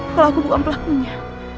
kalau aku bukan pelakunya